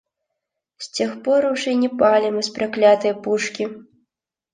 С тех пор уж и не палим из проклятой пушки.